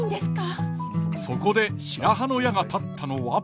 そこで白羽の矢が立ったのは。